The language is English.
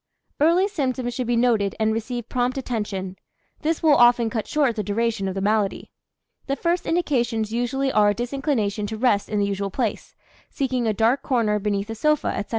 Early symptoms should be noted and receive prompt attention; this will often cut short the duration of the malady. The first indications usually are a disinclination to rest in the usual place, seeking a dark corner beneath a sofa, etc.